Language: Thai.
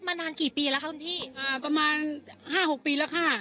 นานกี่ปีแล้วคะคุณพี่อ่าประมาณห้าหกปีแล้วค่ะ